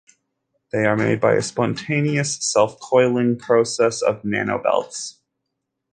They are made by a spontaneous self-coiling process of nanobelts.